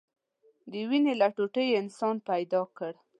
د وينې له ټوټې يې انسان پيدا كړ.